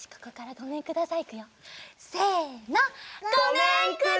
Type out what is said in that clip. ごめんください！